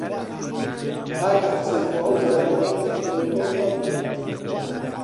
کاکە حەسەن خۆ ئەو زەمانە کیلۆ و تۆن نەبوون!